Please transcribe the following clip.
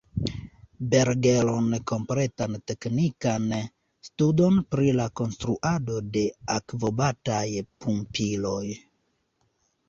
Bergeron kompletan teknikan studon pri la konstruado de akvobataj pumpiloj.